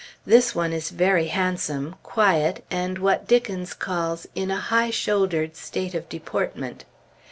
This one is very handsome, quiet, and what Dickens calls "in a high shouldered state of deportment."